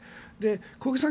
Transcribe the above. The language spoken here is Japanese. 小池さん